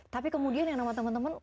tapi kemudian yang nama teman teman